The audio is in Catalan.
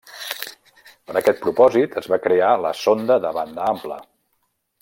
Per aquest propòsit es va crear la sonda de banda ampla.